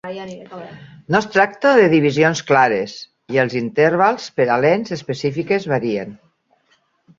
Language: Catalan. No es tracta de divisions clares, i els intervals per a lents específiques varien.